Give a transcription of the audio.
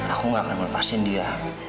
aku nggak akan melepaskan dia